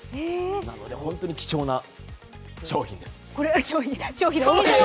なので本当に貴重な商品なんです。